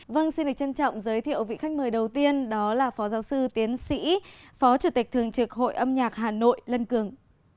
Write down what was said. vâng xin được trân trọng giới thiệu vị khách mời đầu tiên đó là phó giáo sư tiến sĩ phó chủ tịch thường trực hội âm nhạc hà nội lân cường